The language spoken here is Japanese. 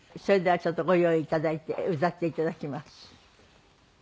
それではちょっとご用意頂いて歌って頂きます。